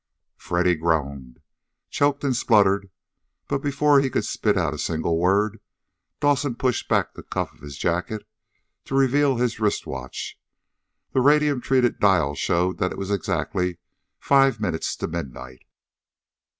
Freddy groaned, choked and spluttered, but before he could spit out a single word, Dawson pushed back the cuff of his jacket to reveal his wrist watch. The radium treated dial showed that it was exactly five minutes to midnight.